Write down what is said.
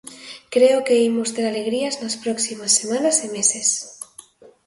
Creo que imos ter alegrías nas próximas semanas e meses.